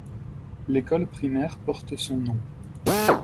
L'école primaire porte son nom.